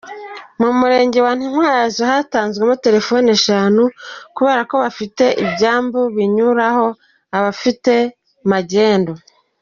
Mu murenge wa Ntyazo hatanzwemo telefoni eshanu kubera ko bafite ibyambu binyuraho abafite magendu.